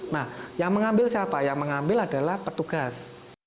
nah yang mengambil siapa yang mengambil adalah petugas